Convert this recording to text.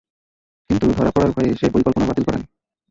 কিন্তু ধরা পড়ার ভয়ে সে পরিকল্পনা বাতিল করেন।